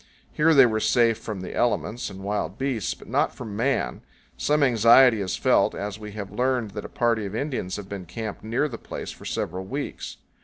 Here they were safe from the elements and wild beasts, but not from man. Some anxiety is powell canyons 85.jpg BAD LANDS. felt, as we have learned that a party of Indians have been camped near the place for several weeks.